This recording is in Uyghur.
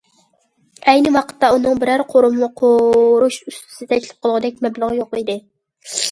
ئەينى ۋاقىتتا ئۇنىڭ بىرەر قورۇما قورۇش ئۇستىسى تەكلىپ قىلغۇدەك مەبلىغى يوق ئىدى.